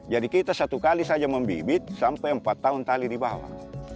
jadi kita satu kali saja membibit sampai empat tahun tali dibawah